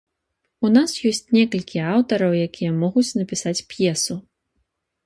У нас ёсць некалькі аўтараў, якія могуць напісаць п'есу.